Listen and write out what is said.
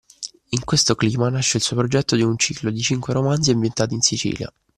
In questo clima nasce il suo progetto di un ciclo di cinque romanzi ambientati in Sicilia.